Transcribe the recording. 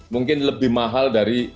mungkin lebih mahal dari